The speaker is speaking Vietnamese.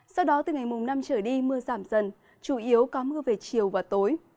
sau đó từ ngày mùng năm trở đi mưa giảm dần chủ yếu có mưa về chiều và tối